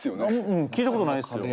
うん聞いたことないですよ。